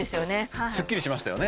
はいすっきりしましたよね